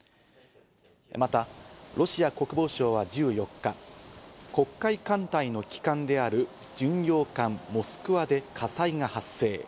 またロシア国防省は１４日、黒海艦隊の旗艦である巡洋艦「モスクワ」で火災が発生。